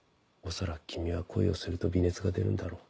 恐らく君は恋をすると微熱が出るんだろう。